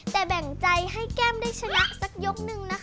แต่แบ่งใจให้แก้มได้ชนะสักยกหนึ่งนะคะ